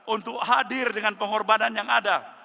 untuk hadir dengan pengorbanan yang ada